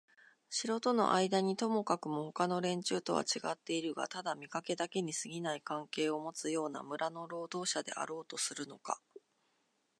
城とのあいだにともかくもほかの連中とはちがってはいるがただ見かけだけにすぎない関係をもつような村の労働者であろうとするのか、